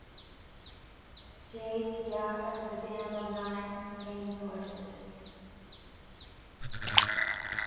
Jade Tiara is the dam of nine named horses.